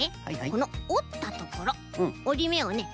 このおったところおりめをね